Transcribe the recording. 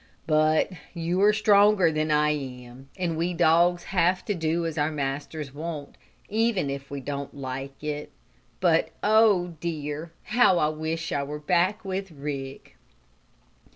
But you are stronger than I am, and we dogs have to do as our masters want, even if we don't like it. But, oh dear! how I wish I were back with Rick!"